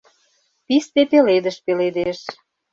Писте пеледыш пеледеш